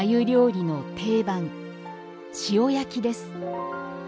料理の定番塩焼きです。